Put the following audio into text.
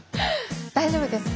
大丈夫です。